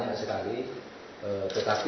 jadi banyak sekali